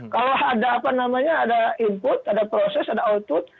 kalau ada input ada proses ada output